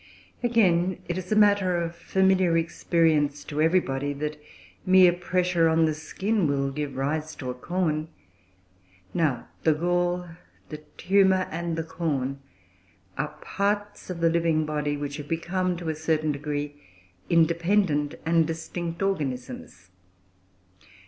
Again, it is a matter of familiar experience to everybody that mere pressure on the skin will give rise to a corn. Now the gall, the tumour, and the corn are parts of the living body, which have become, to a certain degree, independent and distinct organisms.